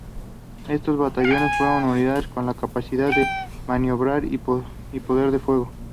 Estos batallones fueron unidades con alta capacidad de maniobra y poder de fuego.